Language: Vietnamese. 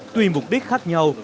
tùy mục đích khác nhau